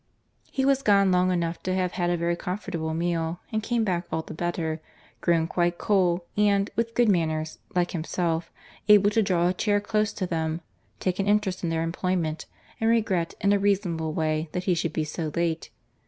He was gone long enough to have had a very comfortable meal, and came back all the better—grown quite cool—and, with good manners, like himself—able to draw a chair close to them, take an interest in their employment; and regret, in a reasonable way, that he should be so late.